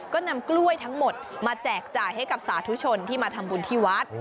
ก็นำกล้วยทั้งหมดมาแจกจ่ายให้กับสาธุชนที่มาทำบุญที่วัด